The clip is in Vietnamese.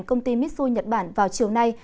công ty mitsui nhật bản vào chiều nay